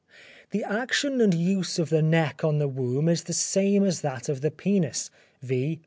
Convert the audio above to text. The action and use of the neck on the womb is the same as that of the penis, viz.